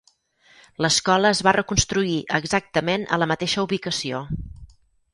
L'escola es va reconstruir exactament a la mateixa ubicació.